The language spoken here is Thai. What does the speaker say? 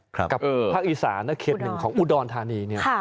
กับภาคอีสานนะเขตหนึ่งของอุดรธานีเนี่ย